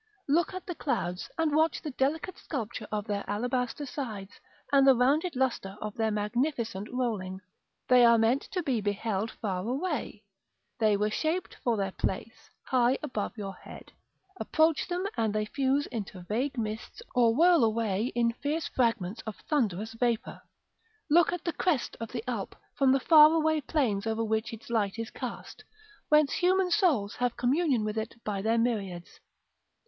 Look at the clouds, and watch the delicate sculpture of their alabaster sides, and the rounded lustre of their magnificent rolling. They are meant to be beheld far away; they were shaped for their place, high above your head; approach them, and they fuse into vague mists, or whirl away in fierce fragments of thunderous vapor. Look at the crest of the Alp, from the far away plains over which its light is cast, whence human souls have communion with it by their myriads.